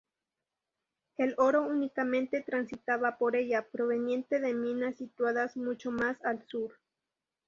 El oro únicamente transitaba por ella, proveniente de minas situadas mucho más al sur.